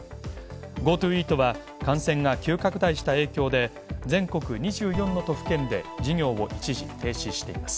ＧｏＴｏイートは感染が急拡大した影響で全国２４の都府県で事業を一時停止しています。